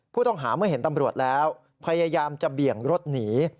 ผู้ต้องหาเมื่อเห็นตำรวจแล้วพยายามจะเบี่ยงรถหนี